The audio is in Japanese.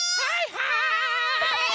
はい！